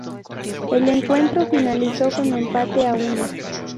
El encuentro finalizó con empate a uno.